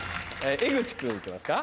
江口君行きますか。